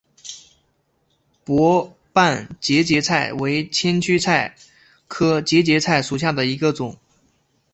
薄瓣节节菜为千屈菜科节节菜属下的一个种。